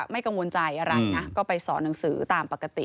ไม่กังวลใจอะไรนะ